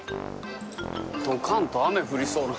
どかんと雨降りそうな。